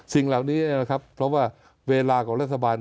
สิ่งเหล่านี้นะครับเพราะว่าเวลาของรัฐบาล